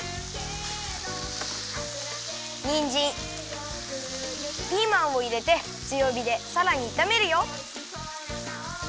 にんじんピーマンをいれてつよびでさらにいためるよ。